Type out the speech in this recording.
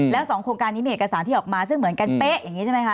แล้ว๒โครงการนี้มีเอกสารที่ออกมาซึ่งเหมือนกันเป๊ะอย่างนี้ใช่ไหมคะ